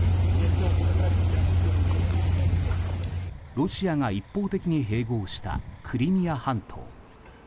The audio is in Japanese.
ロシアが一方的に併合したクリミア半島。